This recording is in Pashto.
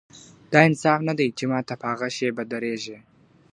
دا انصاف نه دی چي ماته په هغه شېبه درېږې .